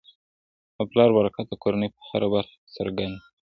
د پلار برکت د کورنی په هره برخه کي څرګند وي.